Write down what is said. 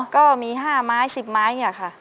ก็มีห้าไม้สิบไม้อย่างนี้ค่ะ